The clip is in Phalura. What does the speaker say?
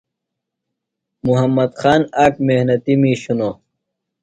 محمد خان آک محنتیۡ مِیش ہِنوۡ۔